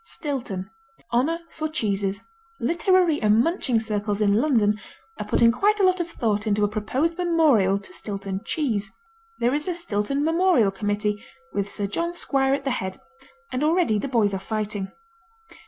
Stilton Honor for Cheeses Literary and munching circles in London are putting quite a lot of thought into a proposed memorial to Stilton cheese. There is a Stilton Memorial Committee, with Sir John Squire at the head, and already the boys are fighting.